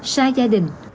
xa gia đình